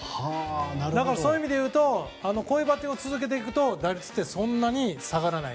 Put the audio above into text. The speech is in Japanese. だからそういう意味でいうとこういうバッティングを続けていくと打率ってそんなに下がらない。